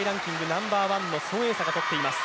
ナンバーワンの孫エイ莎が取っています。